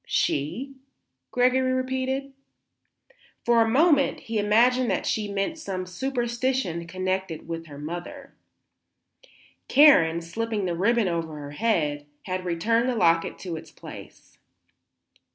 "She?" Gregory repeated. For a moment he imagined that she meant some superstition connected with her mother. Karen, slipping the ribbon over her head, had returned the locket to its place.